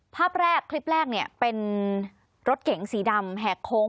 ภาพแรกคลิปแรกเนี่ยเป็นรถเก๋งสีดำแหกโค้ง